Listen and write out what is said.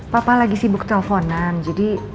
papa lagi sibuk telponan jadi